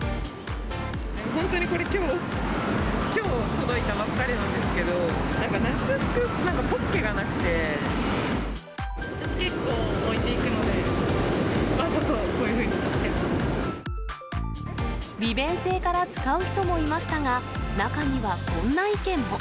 本当にこれ、きょう、きょう届いたばっかりなんですけど、なんか夏服、なんかポッケが私、結構置いていくので、利便性から使う人もいましたが、中にはこんな意見も。